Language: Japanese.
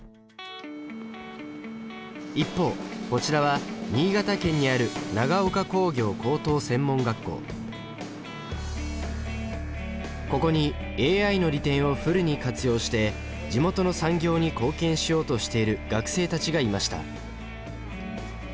一方こちらは新潟県にあるここにＡＩの利点をフルに活用して地元の産業に貢献しようとしている学生たちがいました。